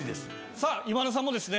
さあ今田さんもですね